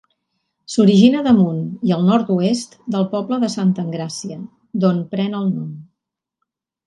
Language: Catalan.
S'origina damunt i al nord-oest del poble de Santa Engràcia, d'on pren el nom.